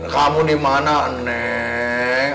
kamu dimana neng